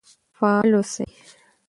فعال اوسئ.